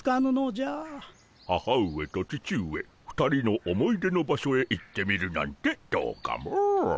母上と父上２人の思い出の場所へ行ってみるなんてどうかモ？